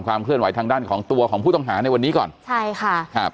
เคลื่อนไหทางด้านของตัวของผู้ต้องหาในวันนี้ก่อนใช่ค่ะครับ